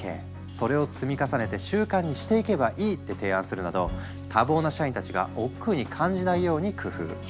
それを積み重ねて習慣にしていけばいい」って提案するなど多忙な社員たちがおっくうに感じないように工夫。